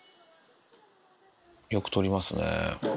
よく撮りますね。